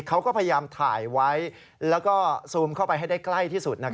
เขาก็พยายามถ่ายไว้แล้วก็ซูมเข้าไปให้ได้ใกล้ที่สุด